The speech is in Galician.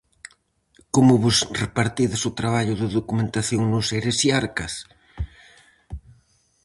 Como vos repartides o traballo de documentación nos Heresiarcas?